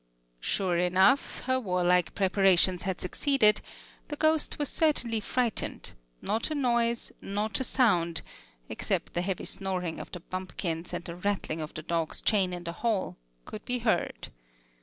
Sure enough, her warlike preparations had succeeded; the ghost was certainly frightened; not a noise, not a sound, except the heavy snoring of the bumpkins and the rattling of the dog's chain in the hall, could be heard.